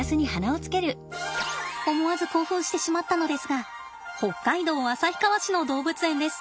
思わず興奮してしまったのですが北海道旭川市の動物園です。